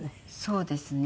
そうですね。